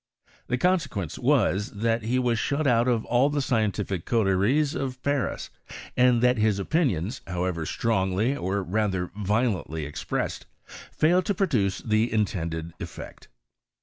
The consequence FROGRSSS OF CHEMISTRY IN FRANCE. 135 I, that he was shut out of all the scientific coteries ■©f Paris J and that his opinionB, however strongly, er rather violeutly expressed, failed to produce the intended eflect.